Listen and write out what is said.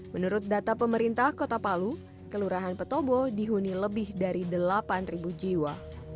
menurut data pemerintah kota palu kelurahan petobo dihuni lebih dari delapan jiwa